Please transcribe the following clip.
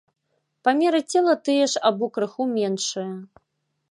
Памеры цела тыя ж або крыху меншыя.